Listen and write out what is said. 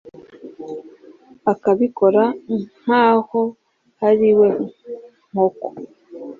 akabikora nk’aho ari we nkoko!